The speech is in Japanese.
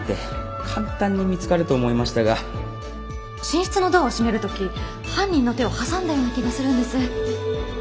寝室のドアを閉める時犯人の手を挟んだような気がするんです。